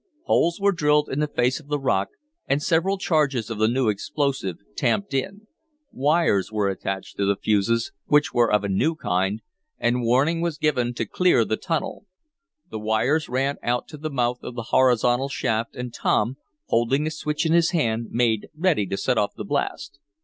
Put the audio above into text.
Holes were drilled in the face of the rock, and several charges of the new explosive tamped in. Wires were attached to the fuses, which were of a new kind, and warning was given to clear the tunnel. The wires ran out to the mouth of the horizontal shaft and Tom, holding the switch in his hand made ready to set off the blast.